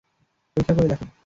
পরীক্ষা করে দেখো।